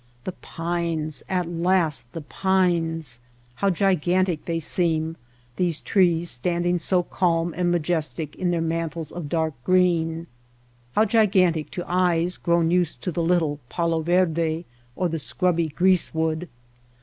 The pines !— at last the pines ! How gigan tic they seem, those trees standing so calm and majestic in their mantles of dark green — how gigantic to eyes grown used to the little palo verde or the scrubby grease wood